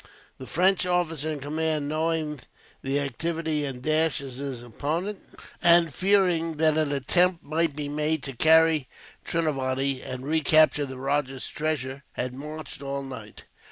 The French officer in command, knowing the activity and dash of his opponent, and fearing that an attempt might be made to carry Trinavody and recapture the rajah's treasure, had marched all night.